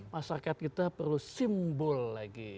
masyarakat kita perlu simbol lagi